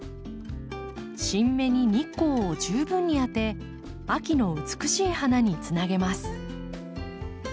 新芽に日光を十分に当て秋の美しい花につなげます。